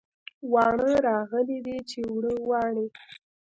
واڼه راغلې ده چې اوړه واڼي